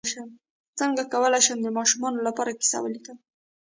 څنګه کولی شم د ماشومانو لپاره کیسه ولیکم